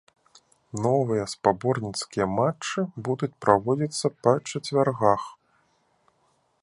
Новыя спаборніцкія матчы будуць праводзіцца па чацвяргах.